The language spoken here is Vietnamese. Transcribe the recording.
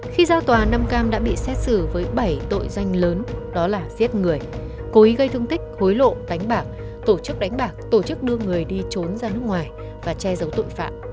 khi ra tòa năm cam đã bị xét xử với bảy tội danh lớn đó là giết người cố ý gây thương tích hối lộ đánh bạc tổ chức đánh bạc tổ chức đưa người đi trốn ra nước ngoài và che giấu tội phạm